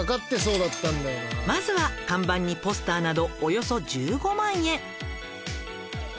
「まずは看板にポスターなどおよそ１５万円」